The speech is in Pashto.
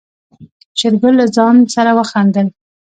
شېرګل له ځان سره خندل.